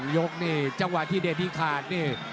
๒ยกนี่จังหวัดที่เดดิคาร์ดนี่